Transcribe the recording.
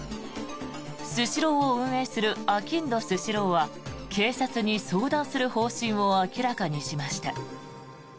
スシローを運営するあきんどスシローは警察に相談する方針を明らかにしました。